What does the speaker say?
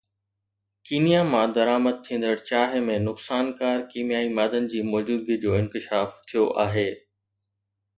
Kenya مان درآمد ٿيندڙ چانهه ۾ نقصانڪار ڪيميائي مادن جي موجودگي جو انڪشاف ٿيو آهي